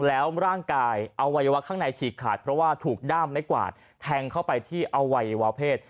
แล้วร่างกายอวัยวะข้างในฉีกขาดเพราะว่าถูกด้ามไม้กวาดแทงเข้าไปที่อวัยวะเพศ